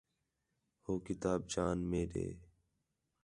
ہو کتاب چا آن میݙے